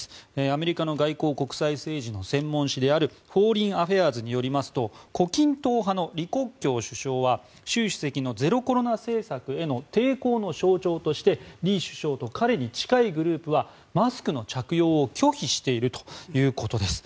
アメリカの外交国際政治の専門誌である「フォーリン・アフェアーズ」によりますと胡錦涛派の李克強首相は習主席のゼロコロナ政策への抵抗の象徴として李首相と彼に近いグループはマスクの着用を拒否しているということです。